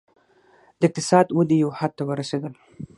د اقتصادي ودې یو حد ته ورسېدل.